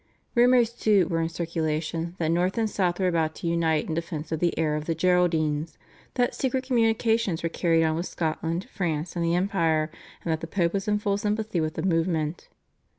Rumours, too, were in circulation that North and South were about to unite in defence of the heir of the Geraldines, that secret communications were carried on with Scotland, France, and the Empire, and that the Pope was in full sympathy with the movement.